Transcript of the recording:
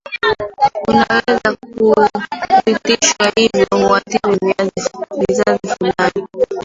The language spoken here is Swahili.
Unaweza kurithishwa hivyo huathiri vizazi fulani